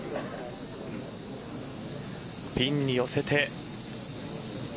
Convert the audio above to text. ピンに寄せて。